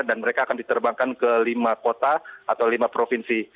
dan mereka akan diterbangkan ke lima kota atau lima provinsi